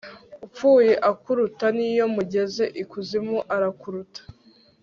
upfuye akuruta niyo mugeze ikuzimu arakuruta